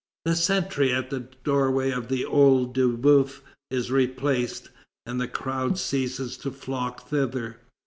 The sentry at the doorway of the OEil de Boeuf is replaced, and the crowd ceases to flock thither.